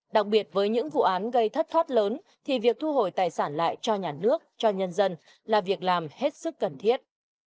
đặc biệt với những vụ án gây thất thoát lớn thì việc thu hồi tài sản lại cho nhà nước cho nhân dân là việc làm hết sức cần thiết